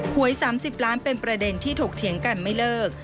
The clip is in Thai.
หวย๓๐ล้านเป็นประเด็นที่ถกเถียงกันไม่เลิก